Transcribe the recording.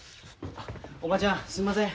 おばちゃんすんません。